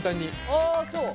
ああそう。